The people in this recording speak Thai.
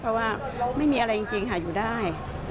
เพราะว่าไม่มีอะไรจริงค่ะอยู่ได้